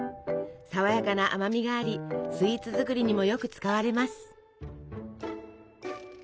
さわやかな甘みがありスイーツ作りにもよく使われます。